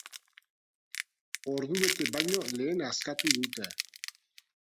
Ordubete baino lehen askatu dute.